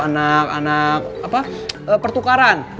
anak anak apa pertukaran